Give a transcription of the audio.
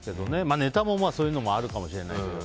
ネタもそういうのあるかもしれないですけど。